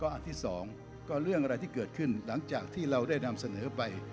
อันที่๒ก็เรื่องอะไรที่เกิดขึ้นหลังจากที่เราได้นำเสนอไป